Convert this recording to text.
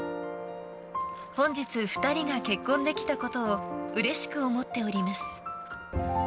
本日２人が結婚できたことをうれしく思っております。